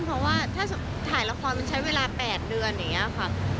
เพราะว่าถ้าถ่ายละครมันใช้เวลา๘เดือนอย่างนี้ค่ะ